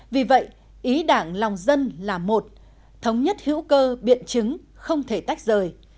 vì vậy ý đảng lòng dân là một thống nhất hữu cơ biện chứng không thể tách rời